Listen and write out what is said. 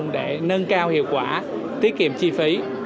để nâng cao hiệu quả tiết kiệm chi phí